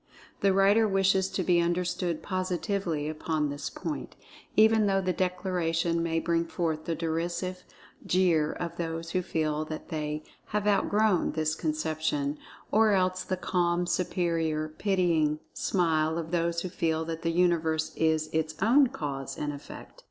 The writer wishes to be understood positively upon this point, even though the declaration may bring forth the derisive jeer of those who feel that they "have outgrown" this conception; or else the calm, superior, pitying smile of those who feel that the Universe is its own Cause and Effect.